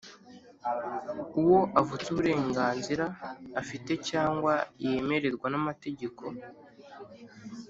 uwo avutsa uburenganzira afite cyangwa yemererwa n’amategeko,